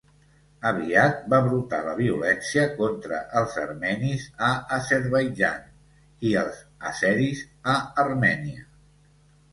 Aviat va brotar la violència contra els armenis a Azerbaidjan i els àzeris a Armènia.